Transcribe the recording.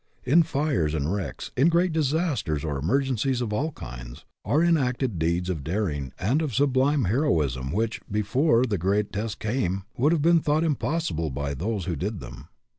In fires and wrecks, in great disasters or emergencies of all kinds, are enacted deeds of daring and of sublime heroism which, before the great test came, would have been thought impossible by those who did them.